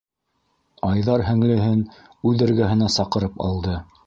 Айҙар һеңлеһен үҙ эргәһенә саҡырып алды: